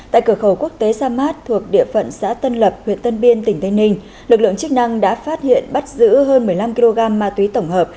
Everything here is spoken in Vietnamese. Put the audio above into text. tại cửa khẩu quốc tế sa mát thuộc địa phận xã tân lập huyện tân biên tỉnh tây ninh lực lượng chức năng đã phát hiện bắt giữ hơn một mươi năm kg ma túy tổng hợp